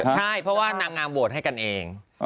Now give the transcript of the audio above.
ใช่เพราะว่านางงามโหวตให้กันเอง